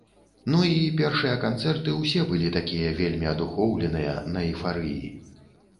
Ну, і першыя канцэрты ўсе былі такія вельмі адухоўленыя, на эйфарыі.